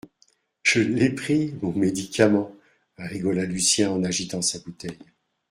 Je l’ai pris, mon médicament, rigola Lucien, en agitant sa bouteille